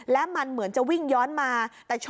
และมันเหมือนจะวิ่งย้อนมา